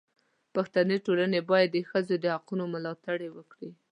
پښتني ټولنه باید د ښځو د حقونو ملاتړ وکړي.